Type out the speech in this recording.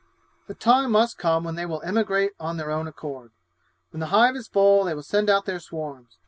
The time must come when they will emigrate on their own accord. When the hive is full, they will send out their swarms.